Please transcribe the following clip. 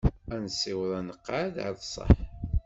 Ad nessiweḍ aneqqad ar ṣṣeḥ.